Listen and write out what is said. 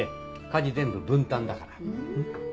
家事全部分担だから。